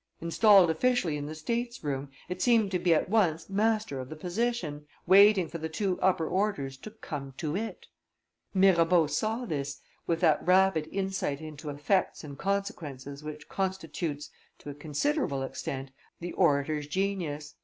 Installed officially in the statesroom, it seemed to be at once master of the position, waiting for the two upper orders to come to it. Mirabeau saw this with that rapid insight into effects and consequences which constitutes, to a considerable extent, the orator's genius.